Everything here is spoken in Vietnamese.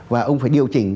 và ông phải điều chỉnh